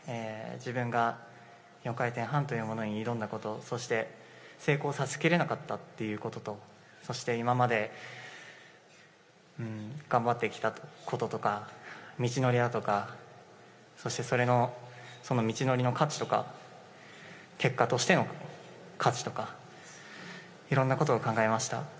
自分が４回転半というものに挑んだこと、そして、成功させきれなかったということと、そして今まで頑張ってきたこととか、道のりだとか、そして、それのその道のりの価値とか、結果としての価値とか、いろんなことを考えました。